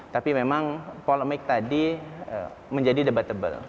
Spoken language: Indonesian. tapi memang polemik tadi menjadi debat tebal